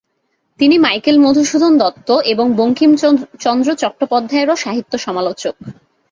তিনি মাইকেল মধুসূদন দত্ত এবং বঙ্কিমচন্দ্র চট্টোপাধ্যায়েরও সাহিত্য সমালোচক।